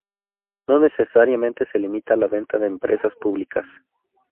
No necesariamente se limita a la venta de empresas públicas.